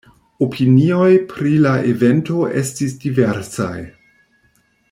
Opinioj pri la evento estis diversaj.